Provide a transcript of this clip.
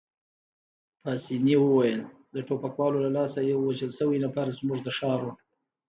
پاسیني وویل: د ټوپکوالو له لاسه یو وژل شوی نفر، زموږ د ښار وو.